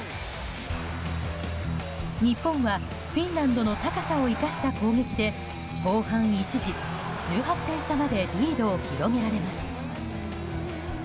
日本は、フィンランドの高さを生かした攻撃で後半一時、１８点差までリードを広げられます。